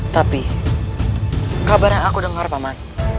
tapi kabarnya aku dengar paman